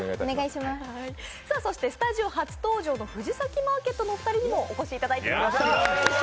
そしてスタジオ初登場の藤崎マーケットのお二人にもお越しいただいています。